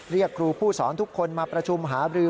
เรียกครูผู้สอนทุกคนมาประชุมหาบรือ